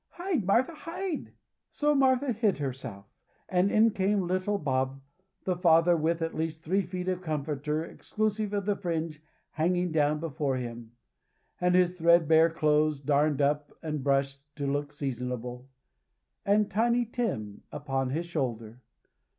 "Hide, Martha, hide!" So Martha hid herself, and in came little Bob, the father, with at least three feet of comforter exclusive of the fringe hanging down before him; and his threadbare clothes darned up and brushed, to look seasonable; and Tiny Tim upon his shoulder.